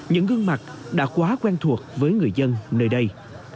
những gương mặt đã quá quen thuộc với người dân nơi đây